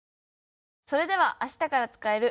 それでは「明日から使える！